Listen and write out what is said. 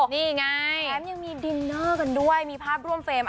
นี่ไงแถมยังมีดินเนอร์กันด้วยมีภาพร่วมเฟรม